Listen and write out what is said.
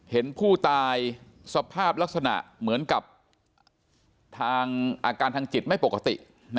เห็นผู้ตายสภาพลักษณะเหมือนกับทางอาการทางจิตไม่ปกติ